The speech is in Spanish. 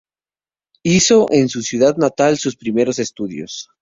Hizo en su ciudad natal sus primeros estudios.